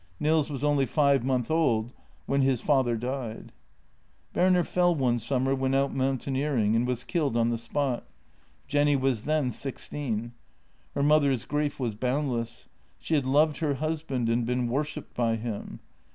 Nils was only five months old when his father died. Berner fell one summer when out mountaineering, and w r as killed on the spot. Jenny was then sixteen. Her mother's grief was boundless; she had loved her husband and been worshipped by him.